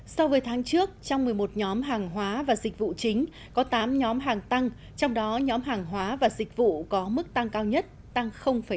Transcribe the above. sau một mươi tháng trước trong một mươi một nhóm hàng hóa và dịch vụ chính có tám nhóm hàng tăng trong đó nhóm hàng hóa và dịch vụ có mức tăng cao nhất tăng năm mươi sáu